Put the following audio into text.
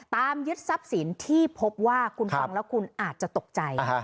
ตามยึดทรัพย์สินที่พบว่าคุณฟังแล้วคุณอาจจะตกใจ